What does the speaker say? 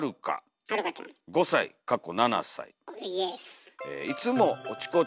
イエス。